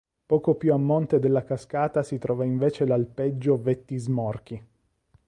Poco più a monte della cascata si trova invece l'alpeggio Vettismorki.